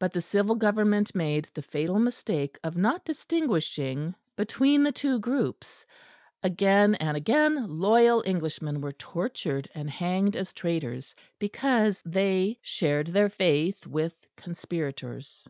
But the civil Government made the fatal mistake of not distinguishing between the two groups; again and again loyal Englishmen were tortured and hanged as traitors, because they shared their faith with conspirators.